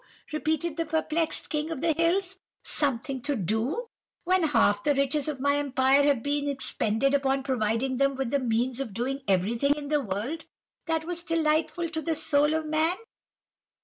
repeated the perplexed king of the hills; 'something to do, when half the riches of my empire have been expended upon providing them with the means of doing everything in the world that was delightful to the soul of man?